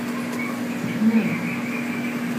Teqqnem.